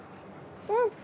うん。